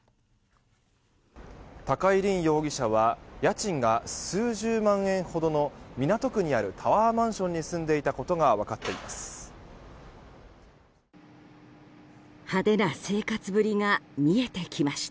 高井凜容疑者は家賃が数十万円ほどの港区にあるタワーマンションに住んでいたことが分かっています。